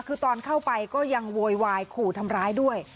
คือตอนเข้าไปก็ยังโวยวายขู่ทำร้ายด้วย